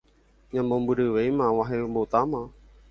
Namombyryvéima, ag̃uahẽmbotáma.